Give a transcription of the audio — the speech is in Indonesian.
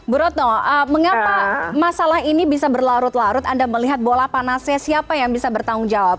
bu retno mengapa masalah ini bisa berlarut larut anda melihat bola panasnya siapa yang bisa bertanggung jawab